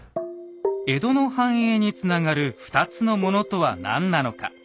江戸の繁栄につながる２つのものとは何なのか。